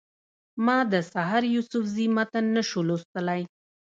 ما د سحر یوسفزي متن نه شو لوستلی.